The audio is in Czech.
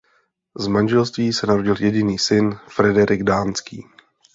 Z manželství se narodil jediný syn Frederik Dánský.